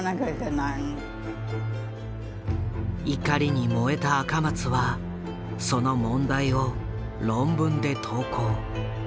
怒りに燃えた赤松はその問題を論文で投稿。